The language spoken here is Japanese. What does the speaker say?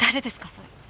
それ。